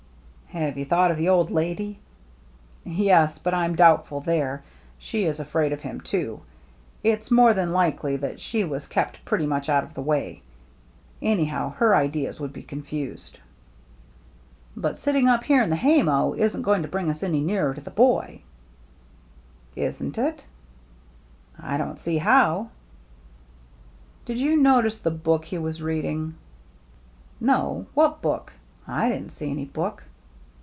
" Have you thought of the old lady ?"" Yes, but I'm doubtful there. She is afraid of him too. It's more than likely that she was kept pretty much out of the way. Anyhow, her ideas would be confused." " But sitting up here in the haymow 276 THE MERRT ANNE isn't going to bring us any nearer to the boy." "Isn't it?" " I don't see how," " Did you notice the book he was read ing?" " No, what book ? I didn't see any book."